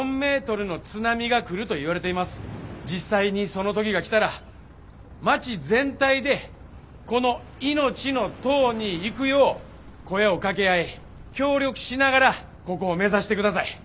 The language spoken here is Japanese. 実際にその時が来たら町全体でこの命の塔に行くよう声をかけ合い協力しながらここを目指してください。